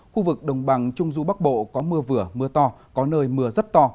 khu vực đồng bằng trung du bắc bộ có mưa vừa mưa to có nơi mưa rất to